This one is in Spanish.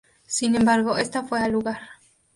Sin embargo esta fue al lugar.